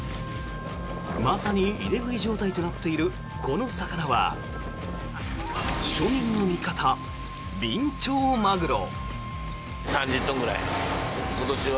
まさに入れ食い状態となっているこの魚は庶民の味方、ビンチョウマグロ。